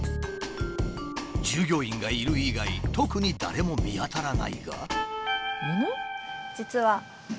従業員がいる以外特に誰も見当たらないが。